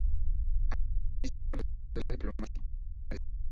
Asimismo ha sido Profesor de la Escuela Diplomática de España.